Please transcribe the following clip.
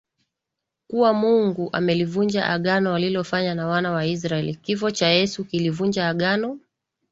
kuwa Mungu amelivunja Agano alilofanya na Wana wa Israel Kifo cha Yesu kilivunja agano